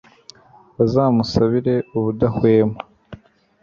bazamusabire ubudahwema